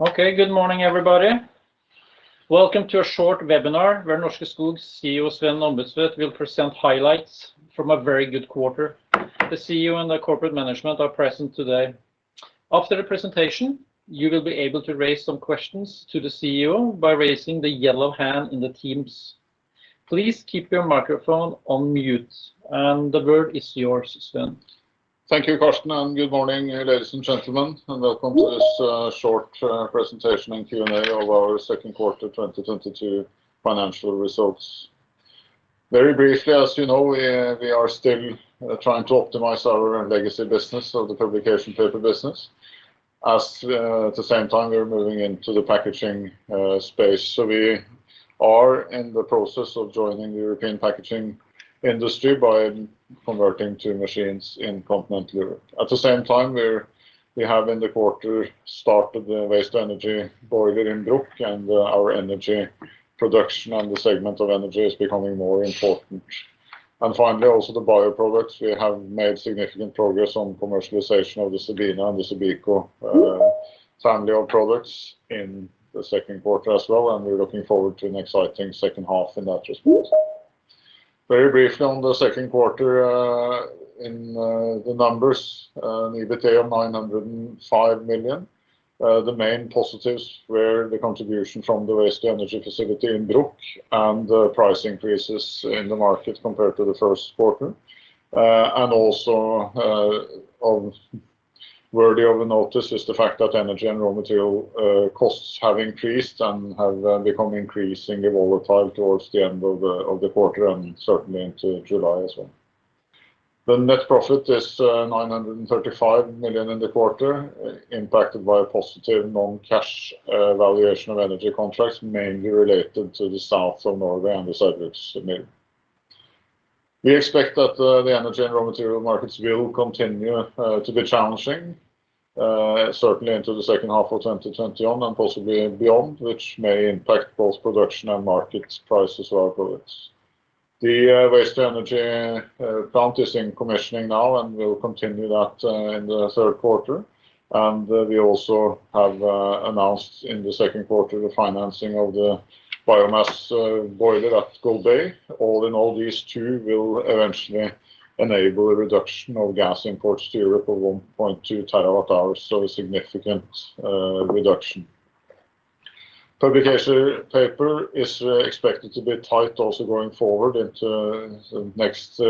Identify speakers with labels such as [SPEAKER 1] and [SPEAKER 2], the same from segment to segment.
[SPEAKER 1] Okay, good morning, everybody. Welcome to a short webinar where Norske Skog CEO Sven Ombudstvedt will present highlights from a very good quarter. The CEO and the corporate management are present today. After the presentation, you will be able to raise some questions to the CEO by raising the yellow hand in the Teams. Please keep your microphone on mute, and the word is yours, Sven.
[SPEAKER 2] Thank you, Carsten, and good morning, ladies and gentlemen, and welcome to this short presentation and Q&A of our second quarter 2022 financial results. Very briefly, as you know, we are still trying to optimize our legacy business of the publication paper business as at the same time we are moving into the packaging space. We are in the process of joining the European packaging industry by converting two machines in continental Europe. At the same time, we have in the quarter started the waste energy boiler in Bruck, and our energy production and the segment of energy is becoming more important. Finally, also the bioproducts, we have made significant progress on commercialization of the CEBINA and the CEBICO family of products in the second quarter as well, and we're looking forward to an exciting second half in that respect. Very briefly on the second quarter, in the numbers, an EBITDA of 905 million. The main positives were the contribution from the waste-to-energy facility in Bruck and the price increases in the market compared to the first quarter. Worthy of note is the fact that energy and raw material costs have increased and have become increasingly volatile towards the end of the quarter and certainly into July as well. The net profit is 935 million in the quarter, impacted by a positive non-cash valuation of energy contracts mainly related to the south of Norway and the Saugbrugs mill. We expect that the energy and raw material markets will continue to be challenging certainly into the second half of 2021 and possibly beyond, which may impact both production and market prices of our products. The waste-to-energy plant is in commissioning now and will continue that in the third quarter. We also have announced in the second quarter the financing of the biomass boiler at Golbey. All in all, these two will eventually enable a reduction of gas imports to Europe of 1.2 TWh, so a significant reduction. Publication paper is expected to be tight also going forward into the next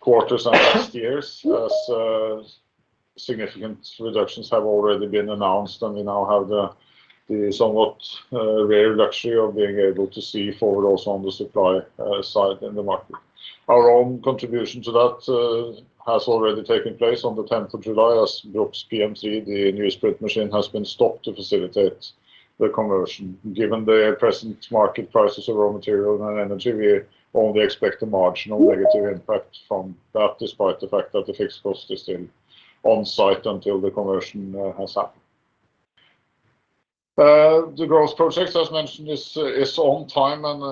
[SPEAKER 2] quarters and next years as significant reductions have already been announced, and we now have the somewhat rare luxury of being able to see forward also on the supply side in the market. Our own contribution to that has already taken place on the 10th of July as Bruck's PM3, the newsprint machine, has been stopped to facilitate the conversion. Given the present market prices of raw material and energy, we only expect a marginal negative impact from that despite the fact that the fixed cost is still on site until the conversion has happened. The growth projects, as mentioned, is on time and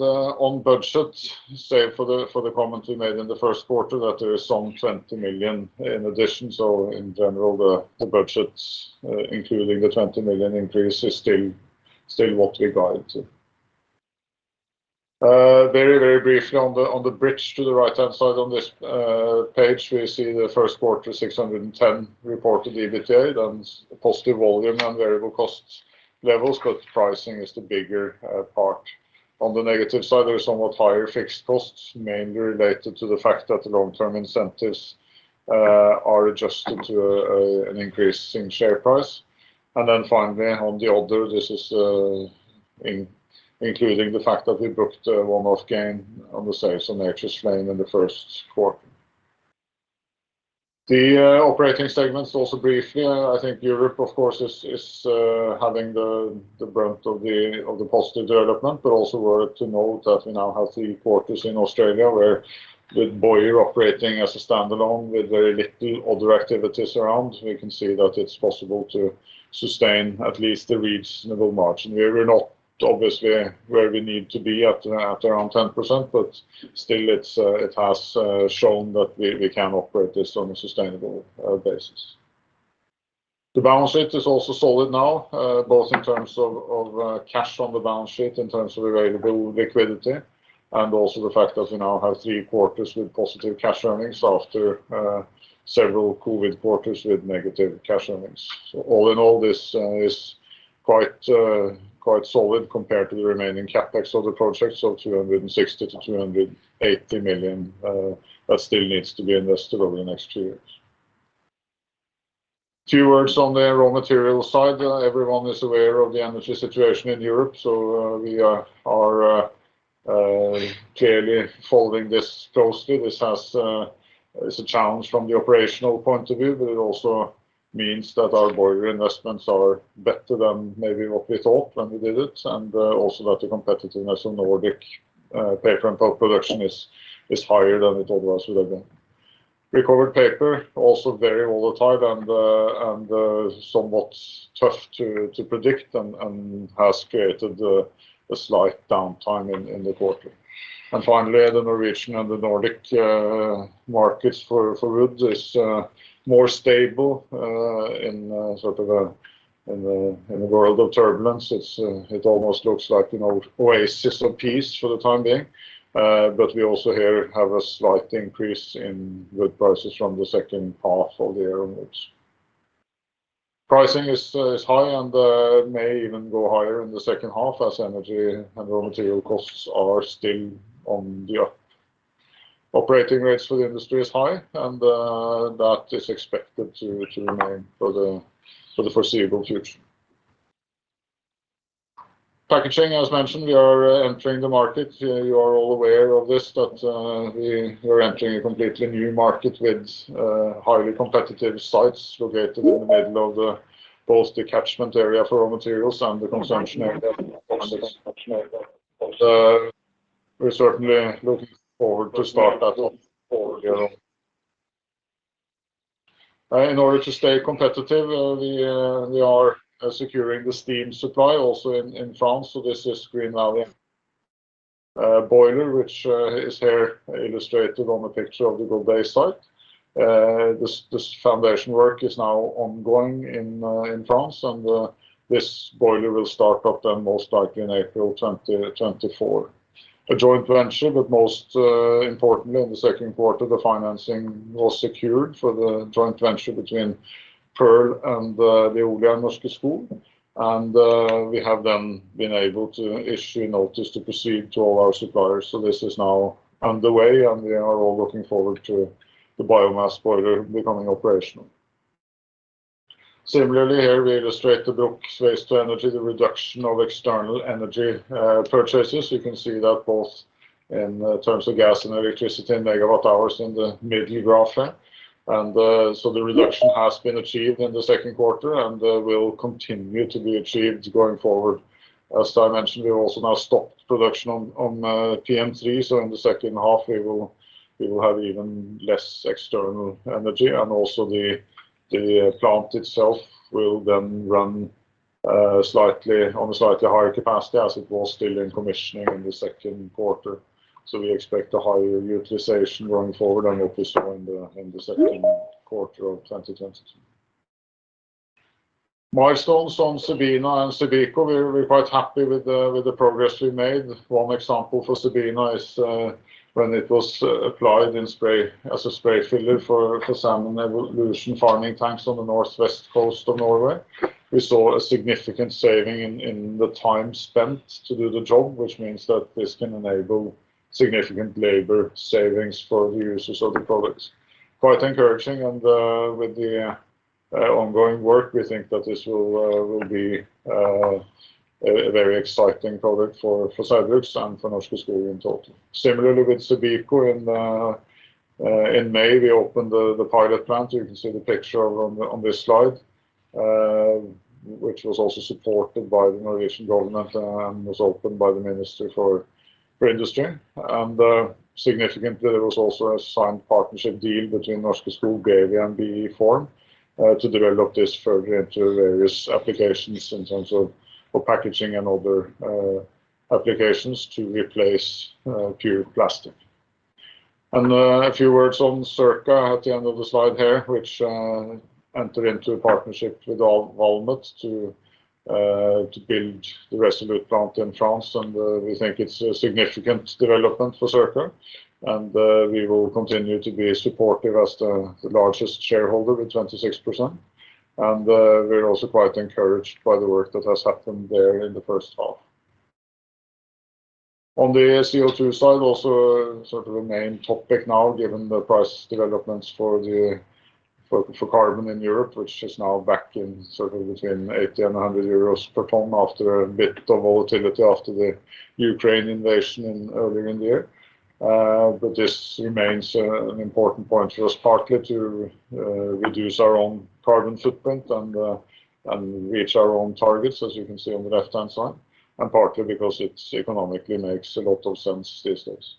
[SPEAKER 2] on budget, save for the comment we made in the first quarter that there is some 20 million in addition. In general, the budgets, including the 20 million increase is still what we guide to. Very briefly on the bridge to the right-hand side on this page, we see the first quarter 610 reported EBITDA, then positive volume and variable costs levels, but pricing is the bigger part. On the negative side, there is somewhat higher fixed costs, mainly related to the fact that the long-term incentives are adjusted to an increase in share price. On the other, this is including the fact that we booked a one-off gain on the sales on Noksåslia in the first quarter. The operating segments also briefly, I think Europe of course is having the brunt of the positive development, but also worth to note that we now have three quarters in Australia where with Boyer operating as a standalone with very little other activities around, we can see that it's possible to sustain at least a reasonable margin. We are not obviously where we need to be at around 10%, but still it has shown that we can operate this on a sustainable basis. The balance sheet is also solid now, both in terms of cash on the balance sheet in terms of available liquidity, and also the fact that we now have three quarters with positive cash earnings after several COVID quarters with negative cash earnings. All in all, this is quite solid compared to the remaining CapEx of the project, so 260 million-280 million that still needs to be invested over the next two years. Two words on the raw material side. Everyone is aware of the energy situation in Europe, so we are clearly following this closely. This is a challenge from the operational point of view, but it also means that our Boyer investments are better than maybe what we thought when we did it, and also that the competitiveness of Nordic paper and pulp production is higher than we thought it was relevant. Recovered paper also very volatile and somewhat tough to predict and has created a slight downtime in the quarter. Finally, the Norwegian and the Nordic markets for wood is more stable in the world of turbulence. It almost looks like an old oasis of peace for the time being. We also here have a slight increase in wood prices from the second half of the year onwards. Pricing is high, and may even go higher in the second half as energy and raw material costs are still on the up. Operating rates for the industry is high, and that is expected to remain for the foreseeable future. Packaging, as mentioned, we are entering the market. You are all aware of this, that we are entering a completely new market with highly competitive sites located in the middle of both the catchment area for raw materials and the consumption area. We're certainly looking forward to start that up for real. In order to stay competitive, we are securing the steam supply also in France. This is Greenalia boiler, which is here illustrated on the picture of the Golbey site. This foundation work is now ongoing in France, and this boiler will start up then most likely in April 2024. It is a joint venture, but most importantly, in the second quarter, the financing was secured for the joint venture between PEARL and Norske Skog. We have then been able to issue notice to proceed to all our suppliers. This is now underway, and we are all looking forward to the biomass boiler becoming operational. Similarly, here we illustrate Bruck's waste to energy, the reduction of external energy purchases. You can see that both in terms of gas and electricity and megawatt hours in the middle graph here. The reduction has been achieved in the second quarter and will continue to be achieved going forward. As I mentioned, we also now stopped production on PM3, so in the second half we will have even less external energy. The plant itself will then run on a slightly higher capacity as it was still in commissioning in the second quarter. We expect a higher utilization going forward and obviously in the second quarter of 2022. Milestones on CEBINA and CEBICO, we're quite happy with the progress we made. One example for CEBINA is when it was applied in spray as a spray filler for Salmon Evolution farming tanks on the northwest coast of Norway. We saw a significant saving in the time spent to do the job, which means that this can enable significant labor savings for the users of the products. Quite encouraging with the ongoing work, we think that this will be a very exciting product for Saugbrugs and for Norske Skog in total. Similarly with CEBICO, in May, we opened the pilot plant. You can see the picture on this slide, which was also supported by the Norwegian government and was opened by the Minister for Industry. Significantly, there was also a signed partnership deal between Norske Skog, BEWI and BE Form, to develop this further into various applications in terms of for packaging and other applications to replace pure plastic. A few words on Circa at the end of the slide here, which entered into a partnership with Norske Skog to build the ReSolute plant in France, and we think it's a significant development for Circa. We're also quite encouraged by the work that has happened there in the first half. On the CO2 side, also sort of a main topic now, given the price developments for carbon in Europe, which is now back in sort of between 80 and 100 euros per ton after a bit of volatility after the Ukraine invasion earlier in the year. This remains an important point for us, partly to reduce our own carbon footprint and reach our own targets, as you can see on the left-hand side, and partly because it economically makes a lot of sense these days.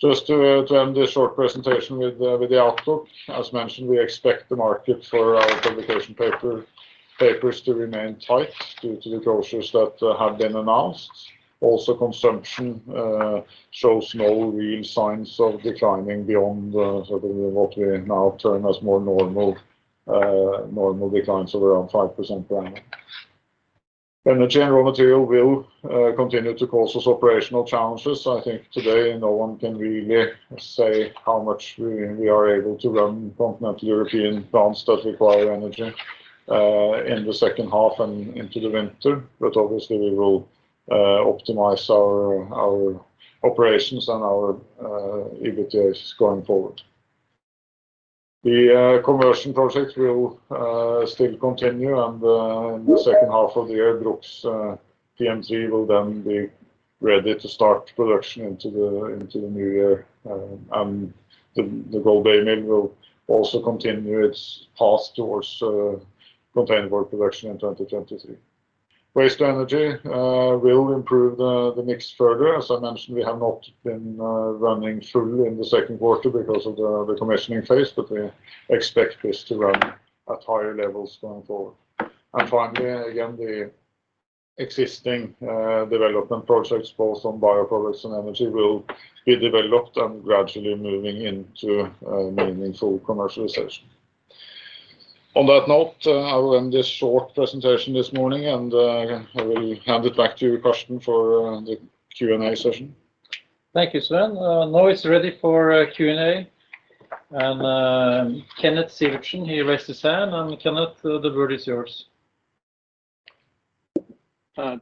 [SPEAKER 2] Just to end this short presentation with the outlook. As mentioned, we expect the market for our publication papers to remain tight due to the closures that have been announced. Also, consumption shows no real signs of declining beyond sort of what we now term as more normal declines of around 5% per annum. Energy and raw material will continue to cause us operational challenges. I think today no one can really say how much we are able to run continental European plants that require energy in the second half and into the winter. Obviously we will optimize our operations and our EBITDA going forward. The conversion project will still continue and in the second half of the year, Bruck's PM3 will then be ready to start production into the new year. The Golbey mill will also continue its path towards containerboard production in 2023. Waste-to-energy will improve the mix further. As I mentioned, we have not been running fully in the second quarter because of the commissioning phase, but we expect this to run at higher levels going forward. Finally, again, the existing development projects both on bioproducts and energy will be developed and gradually moving into meaningful commercialization. On that note, I will end this short presentation this morning, and I will hand it back to you, Carsten, for the Q&A session.
[SPEAKER 1] Thank you, Sven. Now it's ready for Q&A. Kenneth Sivertsen, he raised his hand. Kenneth, the word is yours.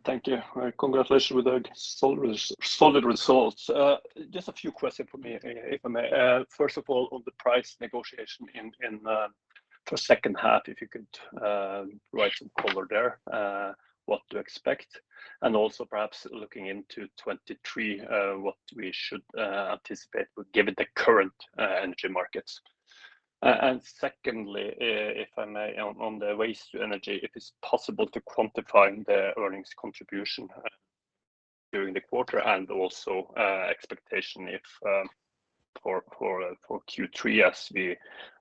[SPEAKER 3] Thank you. Congratulations with the solid results. Just a few questions from me, if I may. First of all, on the price negotiation in for second half, if you could provide some color there, what to expect, and also perhaps looking into 2023, what we should anticipate given the current energy markets. Secondly, if I may, on the waste-to-energy, if it's possible to quantify the earnings contribution during the quarter and also expectations for Q3 as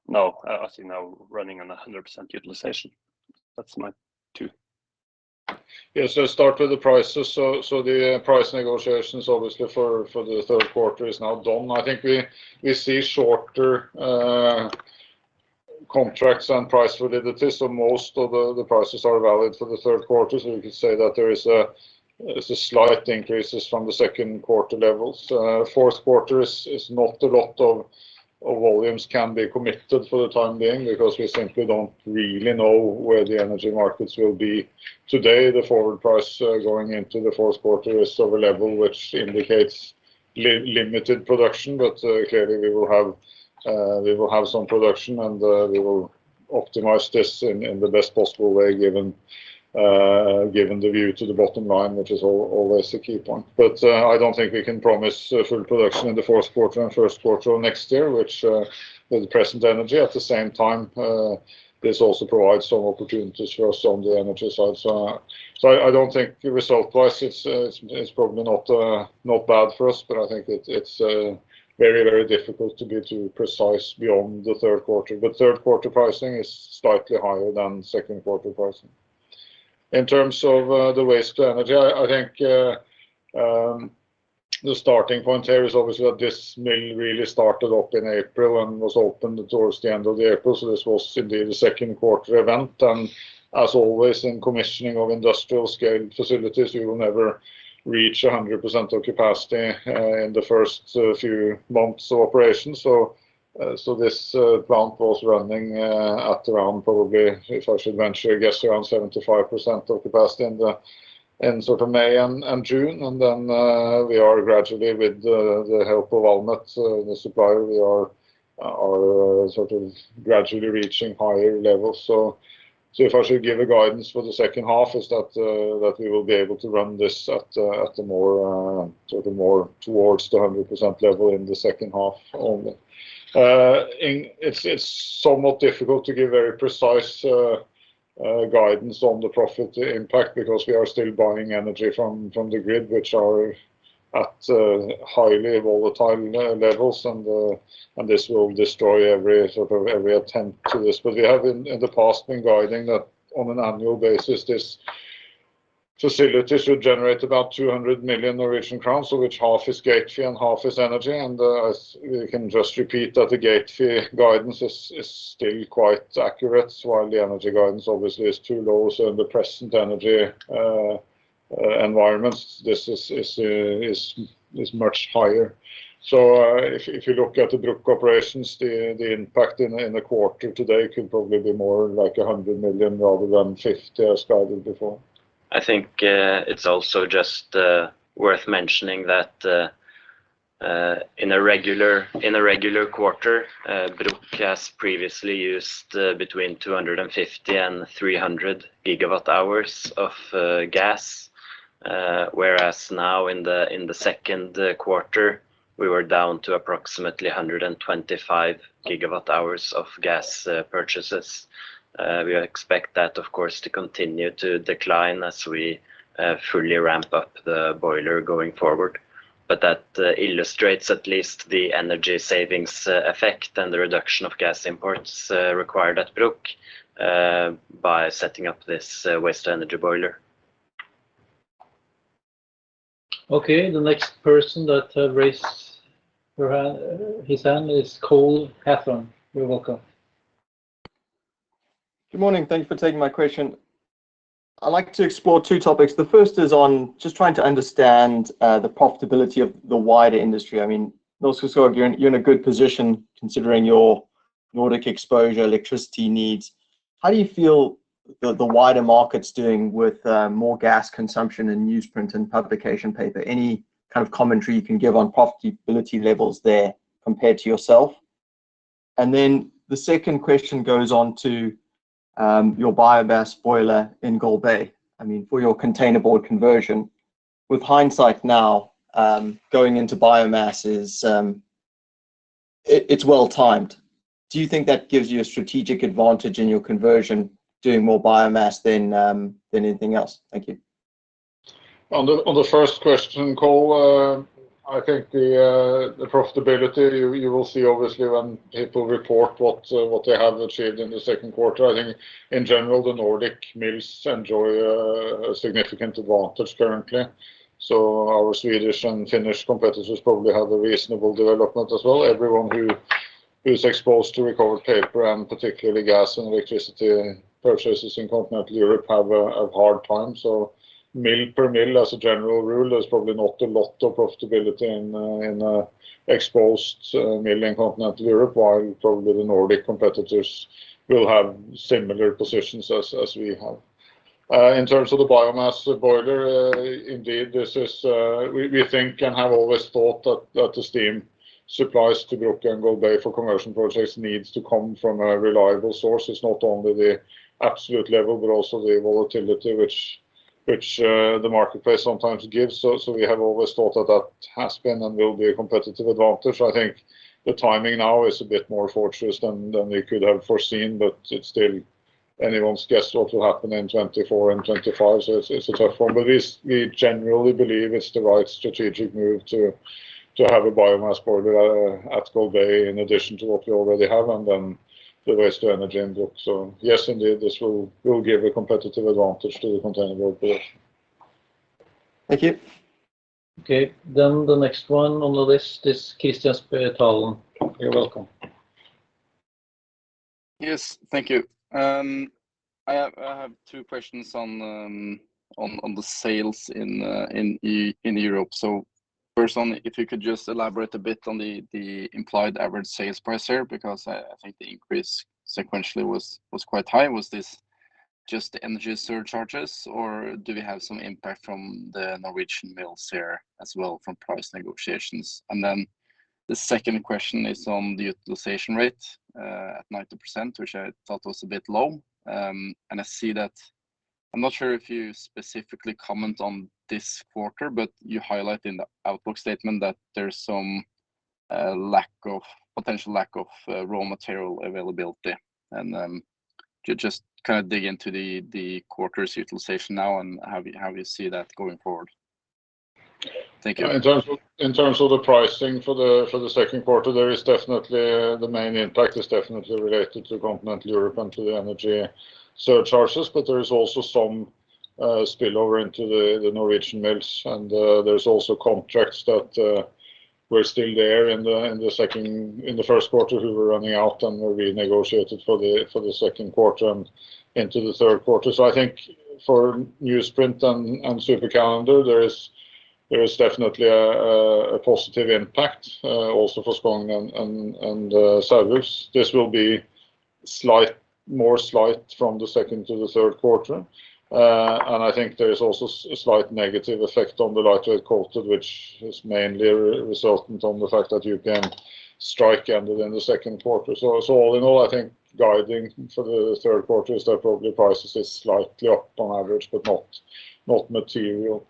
[SPEAKER 3] you're now running on 100% utilization. That's my two.
[SPEAKER 2] Yeah. Start with the prices. The price negotiations obviously for the third quarter is now done. I think we see shorter contracts and price validities, so most of the prices are valid for the third quarter. We could say that there is a slight increases from the second quarter levels. Fourth quarter is not a lot of volumes can be committed for the time being because we simply don't really know where the energy markets will be. Today, the forward price going into the fourth quarter is of a level which indicates limited production. Clearly we will have some production, and we will optimize this in the best possible way given the view to the bottom line, which is always a key point. I don't think we can promise full production in the fourth quarter and first quarter of next year, which with the present energy. At the same time, this also provides some opportunities for us on the energy side. I don't think result-wise it's probably not bad for us, but I think it's very, very difficult to be too precise beyond the third quarter. Third quarter pricing is slightly higher than second quarter pricing. In terms of the waste energy, I think the starting point here is obviously that this mill really started up in April and was opened towards the end of April, so this was indeed a second quarter event. As always, in commissioning of industrial scale facilities, you will never reach 100% occupancy in the first few months of operation. This plant was running at around probably, if I should venture a guess, around 75% occupancy in sort of May and June. We are gradually, with the help of ANDRITZ, the supplier, sort of gradually reaching higher levels. If I should give a guidance for the second half is that we will be able to run this at a more sort of more towards the 100% level in the second half only. It's somewhat difficult to give very precise guidance on the profit impact because we are still buying energy from the grid, which are at high levels all the time. This will destroy every sort of attempt to this. We have in the past been guiding that on an annual basis this facility should generate about 200 million Norwegian crowns, of which half is gate fee and half is energy. We can just repeat that the gate fee guidance is still quite accurate, while the energy guidance obviously is too low. In the present energy environments, this is much higher. If you look at the Bruck operations, the impact in the quarter today could probably be more like 100 million rather than 50 million as guided before.
[SPEAKER 4] I think it's also just worth mentioning that in a regular quarter, Bruck has previously used between 250 GWh and 300 GWh of gas. Whereas now in the second quarter, we were down to approximately 125 GWh of gas purchases. We expect that of course to continue to decline as we fully ramp up the boiler going forward. That illustrates at least the energy savings effect and the reduction of gas imports required at Bruck by setting up this waste energy boiler.
[SPEAKER 1] Okay. The next person that raised his hand is Cole Hathorn. You're welcome.
[SPEAKER 5] Good morning. Thank you for taking my question. I'd like to explore two topics. The first is on just trying to understand the profitability of the wider industry. I mean, Norske Skog, you're in a good position considering your Nordic exposure, electricity needs. How do you feel the wider market's doing with more gas consumption in newsprint and publication paper? Any kind of commentary you can give on profitability levels there compared to yourself? Then the second question goes on to your biomass boiler in Golbey, I mean, for your containerboard conversion. With hindsight now, going into biomass is well-timed. Do you think that gives you a strategic advantage in your conversion doing more biomass than anything else? Thank you.
[SPEAKER 2] On the first question, Cole, I think the profitability you will see obviously when people report what they have achieved in the second quarter. I think in general, the Nordic mills enjoy a significant advantage currently. Our Swedish and Finnish competitors probably have a reasonable development as well. Everyone who's exposed to recovered paper and particularly gas and electricity purchases in continental Europe have a hard time. Mill per mill, as a general rule, there's probably not a lot of profitability in exposed mill in continental Europe, while probably the Nordic competitors will have similar positions as we have. In terms of the biomass boiler, indeed this is. We think and have always thought that the steam supplies to Bruck and Golbey for commercial projects needs to come from a reliable source. It's not only the absolute level, but also the volatility the marketplace sometimes gives. We have always thought that has been and will be a competitive advantage. I think the timing now is a bit more favorable than we could have foreseen, but it's still anyone's guess what will happen in 2024 and 2025. It's a tough one. We generally believe it's the right strategic move to have a biomass boiler at Golbey in addition to what we already have and then the waste to energy in Bruck. Yes, indeed, this will give a competitive advantage to the container operation.
[SPEAKER 3] Thank you.
[SPEAKER 1] Okay. The next one on the list is Kristian Spetalen. You're welcome.
[SPEAKER 6] Yes. Thank you. I have two questions on the sales in Europe. First on, if you could just elaborate a bit on the implied average sales price here, because I think the increase sequentially was quite high. Was this just the energy surcharges or do we have some impact from the Norwegian mills here as well from price negotiations? Then the second question is on the utilization rate at 90%, which I thought was a bit low. I see that. I'm not sure if you specifically comment on this quarter, but you highlight in the outlook statement that there's some potential lack of raw material availability. Could you just kind of dig into the quarter's utilization now and how you see that going forward? Thank you.
[SPEAKER 2] In terms of the pricing for the second quarter, there is definitely the main impact is definitely related to continental Europe and to the energy surcharges, but there is also some spillover into the Norwegian mills, and there's also contracts that were still there in the first quarter who were running out and where we negotiated for the second quarter and into the third quarter. I think for newsprint and supercalendered, there is definitely a positive impact also for Skogn and Saugbrugs. This will be slight, more slight from the second to the third quarter. I think there is also slight negative effect on the lightweight coated which is mainly resulting from the fact that you can shut it down in the second quarter. So all in all, I think guidance for the third quarter is that probably prices is slightly up on average, but not material.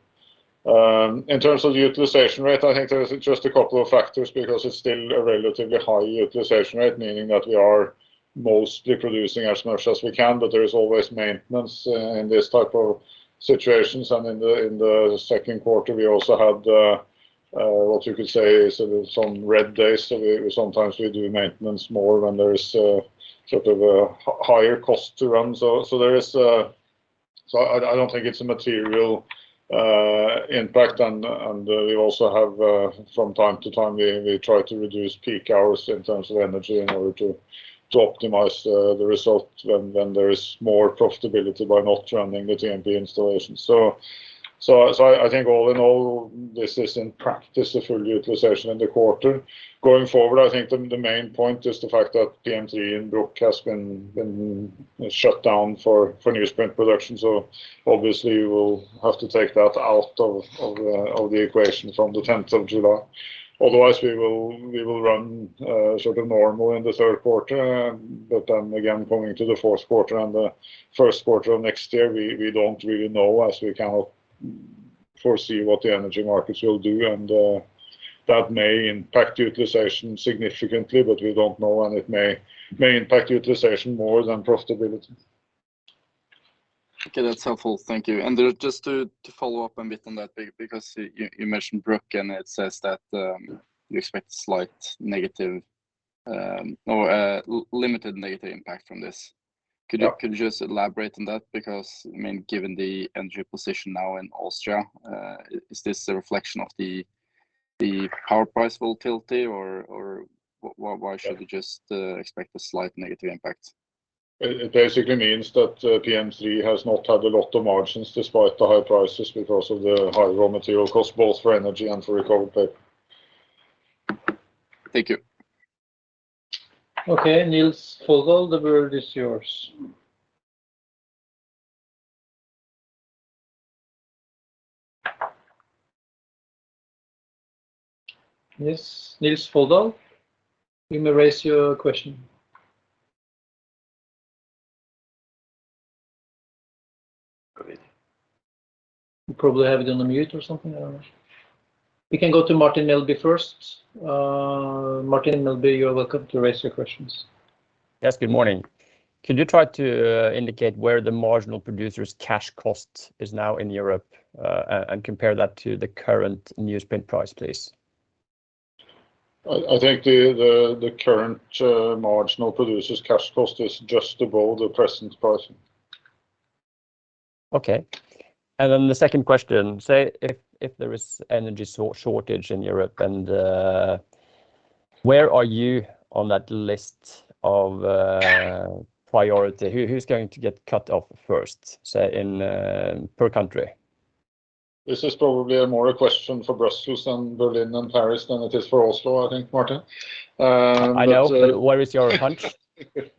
[SPEAKER 2] In terms of utilization rate, I think there's just a couple of factors because it's still a relatively high utilization rate, meaning that we are mostly producing as much as we can, but there is always maintenance in this type of situations. In the second quarter, we also had what you could say is some red days. So we sometimes do maintenance more when there is a sort of a higher cost to run. So there is. I don't think it's a material impact. We also have from time to time we try to reduce peak hours in terms of energy in order to optimize the result when there is more profitability by not running the TMP installation. I think all in all, this is in practice a full utilization in the quarter. Going forward, I think the main point is the fact that PM3 in Bruck has been shut down for newsprint production. Obviously you will have to take that out of the equation from the 10th of July. Otherwise, we will run sort of normal in the third quarter. Again, coming to the fourth quarter and the first quarter of next year, we don't really know as we cannot foresee what the energy markets will do. That may impact utilization significantly, but we don't know, and it may impact utilization more than profitability.
[SPEAKER 6] Okay. That's helpful. Thank you. Just to follow up a bit on that because you mentioned Bruck, and it says that you expect slight negative or a limited negative impact from this.
[SPEAKER 2] Yeah.
[SPEAKER 6] Could you just elaborate on that? Because I mean, given the energy position now in Austria, is this a reflection of the power price volatility or why should we just expect a slight negative impact?
[SPEAKER 2] It basically means that PM3 has not had a lot of margins despite the high prices because of the high raw material cost, both for energy and for recovered paper.
[SPEAKER 6] Thank you.
[SPEAKER 1] Okay, Nils Foldal, the world is yours. Nils, Nils Foldal, you may raise your question. You probably have it on the mute or something. I don't know. We can go to Martin Melbye first. Martin Melbye, you are welcome to raise your questions.
[SPEAKER 7] Yes, good morning. Could you try to indicate where the marginal producer's cash cost is now in Europe, and compare that to the current newsprint price, please?
[SPEAKER 2] I think the current marginal producer's cash cost is just above the present price.
[SPEAKER 7] Okay. Then the second question, say, if there is energy shortage in Europe, and where are you on that list of priority? Who is going to get cut off first, say, per country?
[SPEAKER 2] This is probably more a question for Brussels and Berlin and Paris than it is for Oslo, I think, Martin.
[SPEAKER 7] I know, but where is your hunch?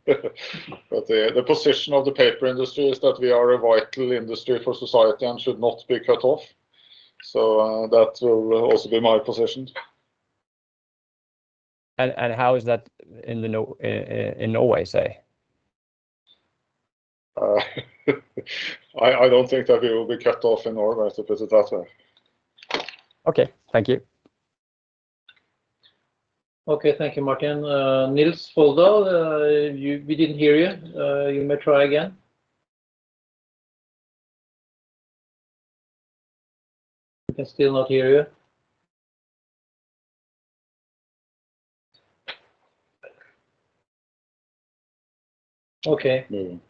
[SPEAKER 2] The position of the paper industry is that we are a vital industry for society and should not be cut off, so that will also be my position.
[SPEAKER 7] How is that in Norway, say?
[SPEAKER 2] I don't think that we will be cut off in Norway, to put it that way.
[SPEAKER 7] Okay, thank you.
[SPEAKER 1] Okay, thank you, Martin. Nils Foldal, we didn't hear you. You may try again. We can still not hear you. Okay.
[SPEAKER 2] Mm.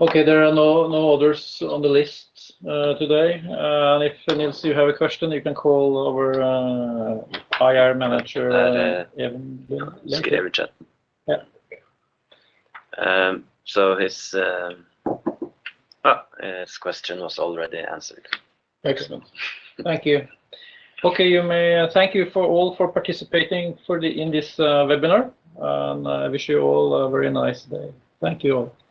[SPEAKER 1] Okay, there are no others on the list today. If Nils, you have a question, you can call our IR manager, Even Lund.
[SPEAKER 4] Skagetveit.
[SPEAKER 1] Yeah.
[SPEAKER 4] His question was already answered.
[SPEAKER 1] Excellent. Thank you. Okay. Thank you all for participating in this webinar, and I wish you all a very nice day. Thank you all.